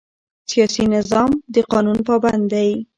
سیاسي نظام د قانون پابند دی